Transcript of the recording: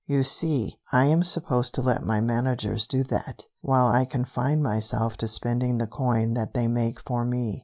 You see, I am supposed to let my managers do that, while I confine myself to spending the coin that they make for me.